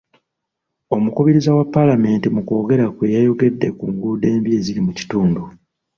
Omukubiriza wa paalamenti mu kwogera kwe yayogedde ku nguudo embi eziri mu kitundu.